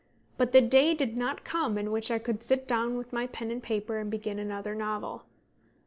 But the day did not come in which I could sit down with pen and paper and begin another novel.